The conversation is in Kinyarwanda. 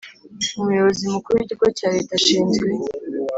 Umuyobozi Mukuru w ikigo cya Leta ashinzwe